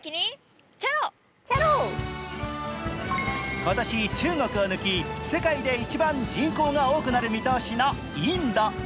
今年、中国を抜き世界で一番人口が多くなる見通しのインド。